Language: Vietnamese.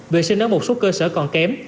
vệ sinh ở một số cơ sở còn kém